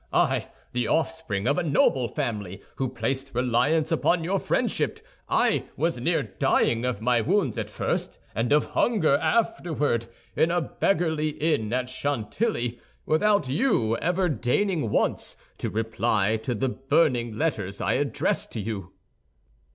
I, the offspring of a noble family, who placed reliance upon your friendship—I was near dying of my wounds at first, and of hunger afterward, in a beggarly inn at Chantilly, without you ever deigning once to reply to the burning letters I addressed to you."